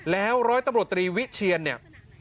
แล้วร้อยตำรวจตรีวิเชียนเนี่ย